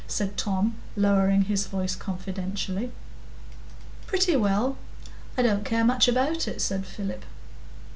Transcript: said Tom, lowering his voice confidentially. "Pretty well; I don't care much about it," said Philip.